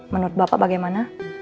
menurut bapak bagaimana